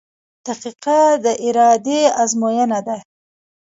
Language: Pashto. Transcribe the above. • دقیقه د ارادې ازموینه ده.